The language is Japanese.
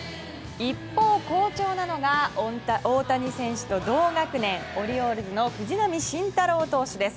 一方、好調なのが大谷選手と同学年オリオールズの藤浪晋太郎投手です。